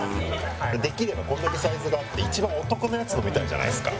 できればこれだけサイズがあって一番お得なやつ飲みたいじゃないですか。